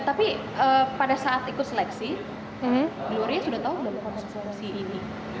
tapi pada saat ikut seleksi gloria sudah tahu belum konstruksi ini